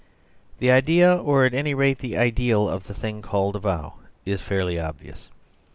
The idea, or at any rate the ideal, of the thing called a vow is fairly obvious.